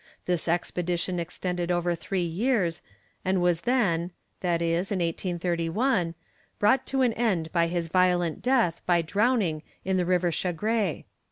This expedition extended over three years, and was then i.e. in 1831 brought to an end by his violent death by drowning in the river Chagres.